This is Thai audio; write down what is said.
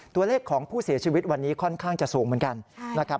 ตัวเลขของผู้เสียชีวิตวันนี้ค่อนข้างจะสูงเหมือนกันนะครับ